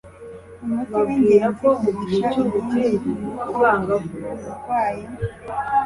umuti wingenzi kurusha iyindi ni uko umurwayi